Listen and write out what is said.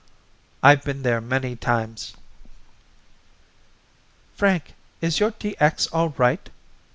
I've been there many times." "Frank, is your DX all right?